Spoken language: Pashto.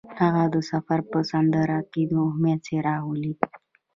هغه د سفر په سمندر کې د امید څراغ ولید.